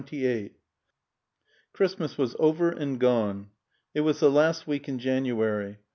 XXVIII Christmas was over and gone. It was the last week in January.